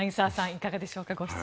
いかがでしょうかご質問。